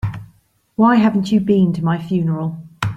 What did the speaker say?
Why haven't you been to my funeral?